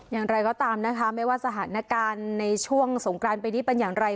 อย่างไรก็ตามนะคะไม่ว่าสถานการณ์ในช่วงสงกรานปีนี้เป็นอย่างไร